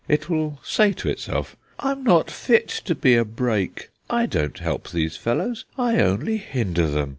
It will say to itself: 'I'm not fit to be a brake. I don't help these fellows; I only hinder them.